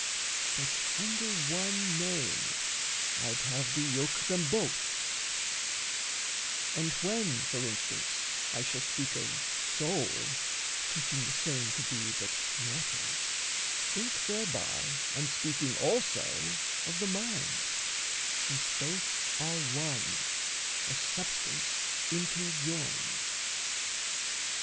But under one name I'd have thee yoke them both; And when, for instance, I shall speak of soul, Teaching the same to be but mortal, think Thereby I'm speaking also of the mind Since both are one, a substance inter joined.